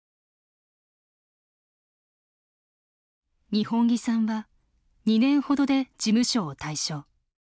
二本樹さんは２年程で事務所を退所。